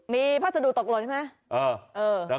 มีพัสดุตกหล่นใช่ไหม